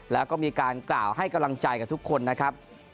แล้วก็มีการกล่าวให้กำลังใจกับทุกคนนะครับ